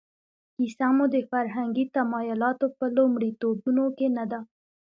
کیسه مو د فرهنګي تمایلاتو په لومړیتوبونو کې نه ده.